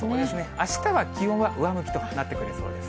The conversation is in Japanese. あしたは気温は上向きとなってくれそうです。